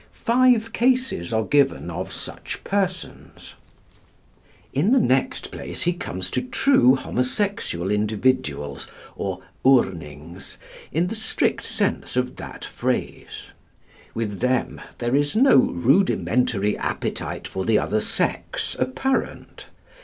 Five cases are given of such persons. In the next place he comes to true homosexual individuals, or Urnings in the strict sense of that phrase. With them there is no rudimentary appetite for the other sex apparent.